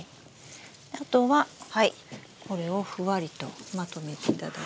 あとはこれをふわりとまとめていただいて。